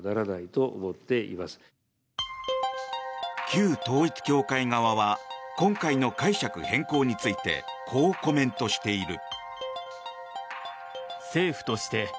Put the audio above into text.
旧統一教会側は今回の解釈変更についてこうコメントしている。